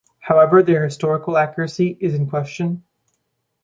However, their historical accuracy is in question.